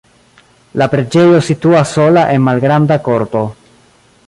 La preĝejo situas sola en malgranda korto.